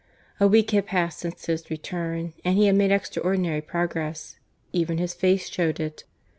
A week had passed since his return, and he had made extraordinary progress. Even his face showed it.